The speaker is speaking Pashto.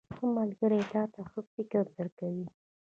• ښه ملګری تا ته ښه فکر درکوي.